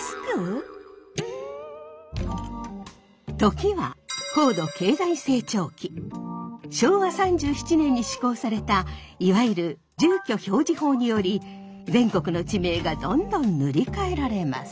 時は昭和３７年に施行されたいわゆる住居表示法により全国の地名がどんどん塗り替えられます。